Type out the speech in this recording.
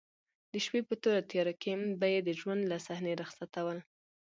د شپې په توره تیاره کې به یې د ژوند له صحنې رخصتول.